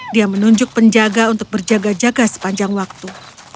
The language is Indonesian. dia menunjuk penjaga untuk berjaga jaga sepanjang waktu